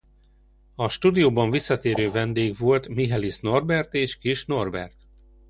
A stúdióban visszatérő vendég volt Michelisz Norbert és Kiss Norbert.